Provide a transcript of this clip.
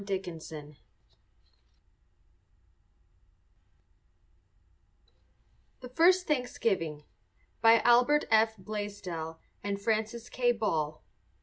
THE FIRST THANKSGIVING By Albert F. Blaisdell and Francis K. Ball.